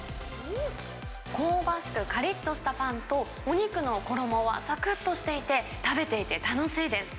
香ばしく、かりっとしたパンと、お肉の衣はさくっとしていて、食べていて楽しいです。